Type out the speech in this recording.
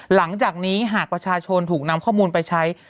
หลังจากนี้หากประชาชนถูกนำข้อมูลไปใช้